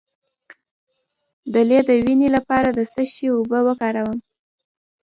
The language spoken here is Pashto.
د لۍ د وینې لپاره د څه شي اوبه وکاروم؟